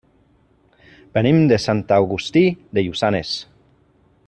Venim de Sant Agustí de Lluçanès.